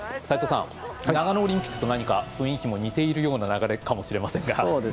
齋藤さん、長野オリンピックと何か雰囲気も似ているような流れかもしれませんが。